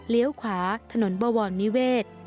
เลี้ยวขวาถนนบวรณิเวศ